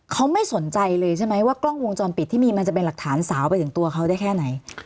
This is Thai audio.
เขาไม่สนใจเลยใช่ไหมว่ากล้องวงจรปิดที่มีมันจะเป็นหลักฐานสาวไปถึงตัวเขาได้แค่ไหน